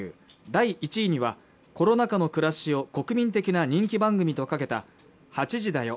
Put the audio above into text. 第１位にはこの中の暮らしを国民的な人気番組とを掛けた「８時だよ！！